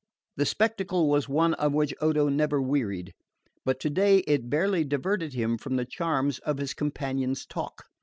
The spectacle was one of which Odo never wearied; but today it barely diverted him from the charms of his companion's talk.